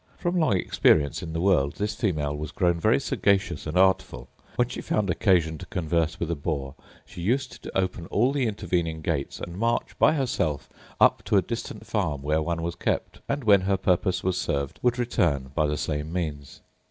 From long experience in the world this female was grown very sagacious and artful: when she found occasion to converse with a boar she used to open all the intervening gates, and march, by herself, up to a distant farm where one was kept; and when her purpose was served would return by the same means.